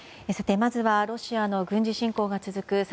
まずはロシアの軍事侵攻が続く